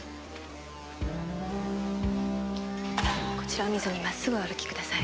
こちらを見ずに真っ直ぐお歩きください。